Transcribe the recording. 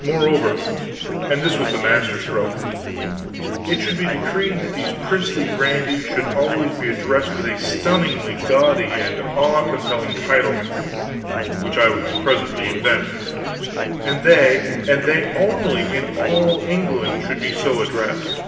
Moreover and this was the master stroke it should be decreed that these princely grandees should be always addressed by a stunningly gaudy and awe compelling title (which I would presently invent), and they and they only in all England should be so addressed.